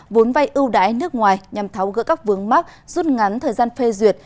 vốn vay ưu đãi nước ngoài nhằm tháo gỡ các vướng mắc rút ngắn thời gian phê duyệt